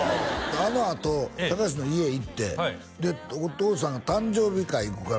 あのあと隆の家行ってでお父さんが「誕生日会行くから」